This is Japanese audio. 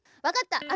わかった。